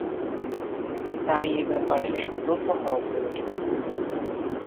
তাই এ ব্যাপারে সতর্ক হওয়া প্রয়োজন।